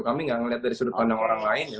kami nggak ngeliat dari sudut pandang orang lain